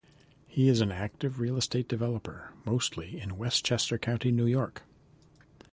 He is an active real estate developer, mostly in Westchester County, New York.